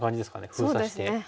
封鎖して。